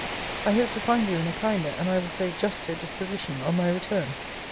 I hope to find you in a kinder, and, I will say, juster disposition on my return.